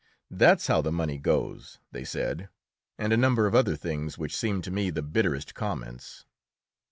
"That's how the money goes," they said, and a number of other things which seemed to me the bitterest comments.